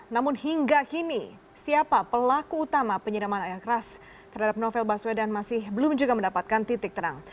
namun hingga kini siapa pelaku utama penyiraman air keras terhadap novel baswedan masih belum juga mendapatkan titik terang